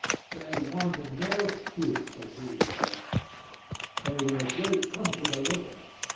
They wanted no excuse for being there. They were a great comfort to look at.